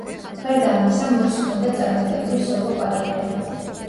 გარდა ამისა, მურს ჰქონდა წარმატებული სოლო კარიერა.